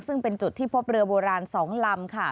ซึ่งเป็นจุดที่พบเรือโบราณ๒ลำค่ะ